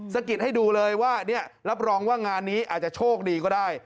สะกิดให้ดูเลยว่ารับรองว่างานนี้อาจจะโชคดีก็ได้